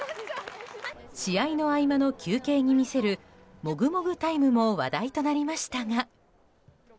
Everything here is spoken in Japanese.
試合の合間の休憩に見せるもぐもぐタイムも話題となりましたが。